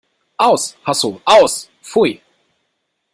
Aus! Hasso, aus! Pfui!